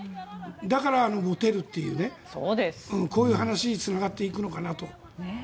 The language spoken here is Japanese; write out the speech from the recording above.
だからモテるというこういう話につながっていくのかなと。